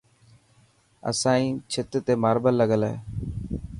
اسائي ڇت تي ماربل لگل هي.